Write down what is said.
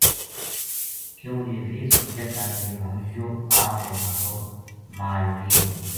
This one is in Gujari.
کیوں جے ویہ سوچے تھا جے ہن یوہ آ کے مھارو مال لیے گو